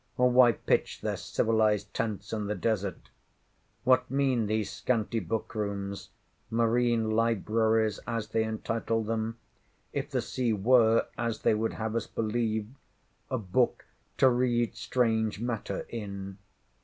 or why pitch their civilised tents in the desert? What mean these scanty book rooms—marine libraries as they entitle them—if the sea were, as they would have us believe, a book "to read strange matter in?"